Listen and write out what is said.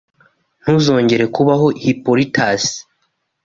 Ntuzongere kubaho Hippolytus